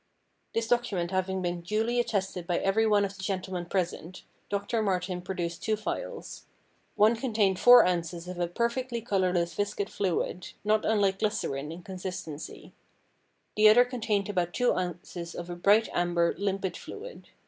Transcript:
This document having been duly attested by every one of the gentlemen present, Doctor Martin produced two phials. One contained four ounces of a perfectly colourless viscid fluid, not unlike glycerine in consistency. The other contained about two ounces of a bright amber, limpid fluid.